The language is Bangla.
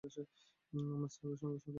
আমার সাহাবীর সঙ্গে সদয় ব্যবহার করুন।